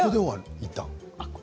いったん。